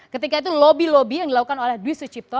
ketika itu lobby lobby yang dilakukan oleh dwi sucipto